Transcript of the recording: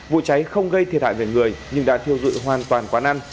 vụ cháy không gây thiệt hại về người nhưng đã thiêu dụi hoàn toàn quán ăn